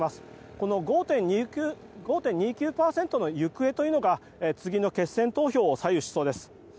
この５．２９％の行方というのが次の決選投票を左右しそうです。